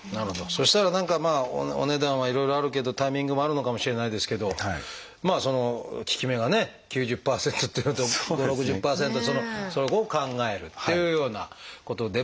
そしたら何かお値段はいろいろあるけどタイミングもあるのかもしれないですけどまあその効き目がね９０％っていうのと５０６０％それを考えるっていうようなことで。